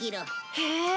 へえ！